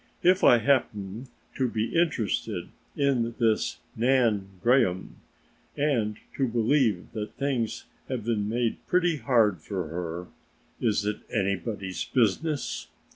If I happen to be interested in this Nan Graham and to believe that things have been made pretty hard for her, is it anybody's business?